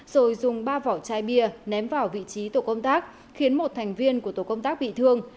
rồi dùng ba vỏ chai bia ném vào vị trí tổ công tác khiến một thành viên của tổ công tác bị thương